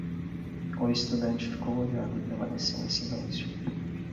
O estudante ficou olhando e permaneceu em silêncio.